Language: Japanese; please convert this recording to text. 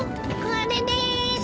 これです。